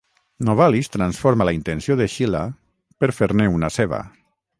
Novalis transforma la intenció de Schiller, per fer-ne una seva.